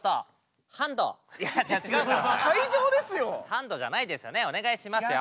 ハンドじゃないですよねお願いしますよ。